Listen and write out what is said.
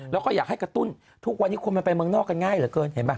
แล้วก็อยากให้กระตุ้นทุกวันนี้คนมันไปเมืองนอกกันง่ายเหลือเกินเห็นป่